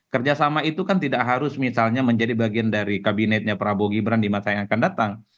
kerjasama itu kan tidak harus misalnya menjadi bagian dari kabinetnya prabowo gibran di masa yang akan datang